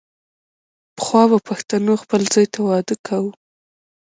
پخوا به پښتنو خپل زوی ته واده کاوو.